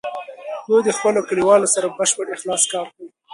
دوی د خپلو کلیوالو سره په بشپړ اخلاص کار کوي.